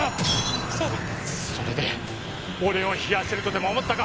それで俺を冷やせるとでも思ったか？